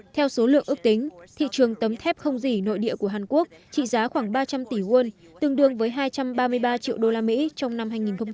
theo số lượng ước tính thị trường tấm thép không gì nội địa của hàn quốc trị giá khoảng ba trăm linh tỷ won tương đương với hai trăm ba mươi ba triệu đô la mỹ trong năm hai nghìn một mươi tám